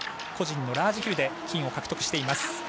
個人のラージヒルで金を獲得しています。